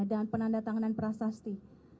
dan penanda tanganan prasasti